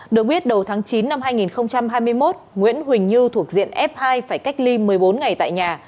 được biết đầu tháng chín năm hai nghìn hai mươi một nguyễn huỳnh như thuộc diện f hai phải cách ly một mươi bốn ngày tại nhà